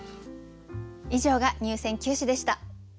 以上が入選九首でした。